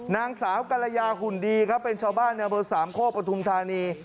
นางสาวกรรยาหุ่นดีครับเป็นชาวบ้านนับสามโคปทุมธานี